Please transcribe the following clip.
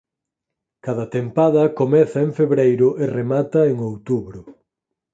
Cada tempada comeza en febreiro e remata en outubro.